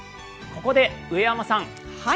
ここで上山さん。